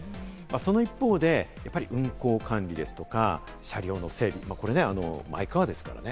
その一方で、運行管理ですとか、車両の整備、これ、マイカーですからね。